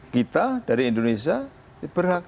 kita dari indonesia berhak